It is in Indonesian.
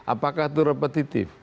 apakah itu repetitif